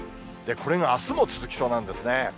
これがあすも続きそうなんですね。